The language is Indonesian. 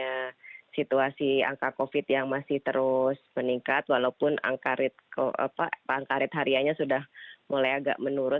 karena situasi angka covid yang masih terus meningkat walaupun angka red harianya sudah mulai agak menurun